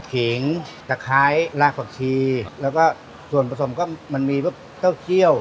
ขิงตะไคร้ลาผักชีแล้วก็ส่วนผสมก็มันมีพวกเต้าเคี่ยว